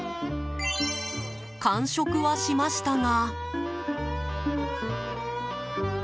完食はしましたが。